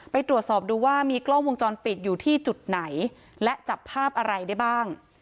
ไปตรวจสอบดูว่ามีกล้องวงจรปิดอยู่ที่จุดไหนและจับภาพอะไรได้บ้าง